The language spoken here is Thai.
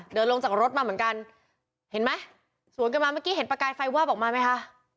เดินลงจากรถมาเหมือนกันเห็นไหมสวนกันมาเมื่อกี้เห็นประกายไฟวาบออกมาไหมคะ